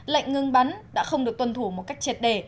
lệnh ngừng bắn đã không được tuân thủ một cách triệt đề